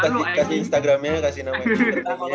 boleh lu kasih instagramnya kasih namanya